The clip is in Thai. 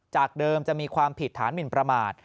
จากเดิมจะมีความผิดฐานหมินประมาท